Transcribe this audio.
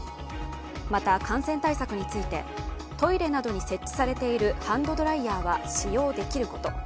また感染対策についてトイレなどに設置されているハンドドライヤーは使用できること。